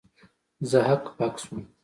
زه هک پک سوم.